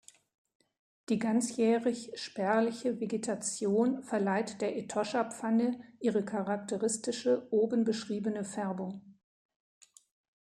Die ganzjährig spärliche Vegetation verleiht der Etosha-Pfanne ihre charakteristische oben beschriebene Färbung.